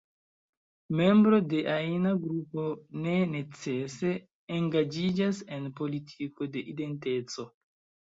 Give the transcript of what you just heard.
Membro de ajna grupo ne necese engaĝiĝas en politiko de identeco.